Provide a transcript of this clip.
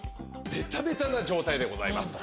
ベタベタな状態でございますと。